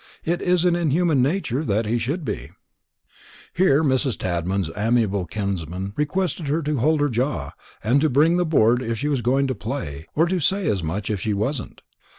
It isn't in human nature that he should be." Here Mrs. Tadman's amiable kinsman requested her to hold her jaw, and to bring the board if she was going to play, or to say as much if she wasn't.